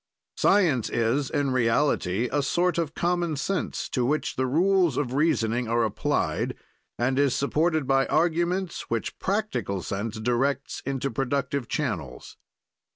Science is, in reality, a sort of common sense to which the rules of reasoning are applied, and is supported by arguments which practical sense directs into productive channels.